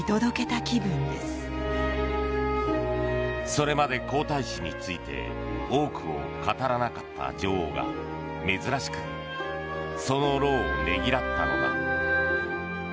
それまで皇太子について多くを語らなかった女王が珍しくその労をねぎらったのだ。